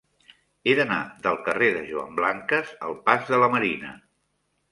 He d'anar del carrer de Joan Blanques al pas de la Marina.